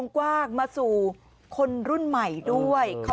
พี่ทำยังไงฮะ